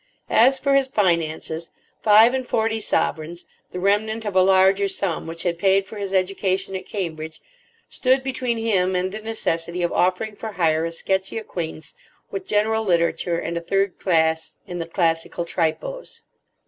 As for his finances, five and forty sovereigns, the remnant of a larger sum which had paid for his education at Cambridge, stood between him and the necessity of offering for hire a sketchy acquaintance with general literature and a third class in the classical tripos.